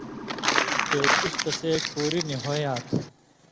تے تُس تسے کُوری نی ہو ہاں تھہ۔